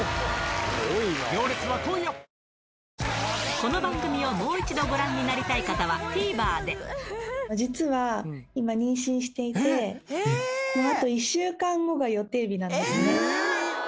この番組をもう一度ご覧にな実は今、妊娠していて、あと１週間後が予定日なんですね。